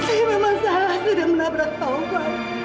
saya memang salah sudah menabrak taufan